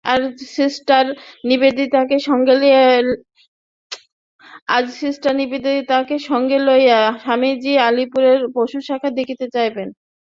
আজ সিষ্টার নিবেদিতাকে সঙ্গে লইয়া স্বামীজী আলিপুরের পশুশালা দেখিতে যাইবেন।